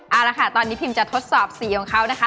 เอาละค่ะตอนนี้พิมจะทดสอบสีของเขานะคะ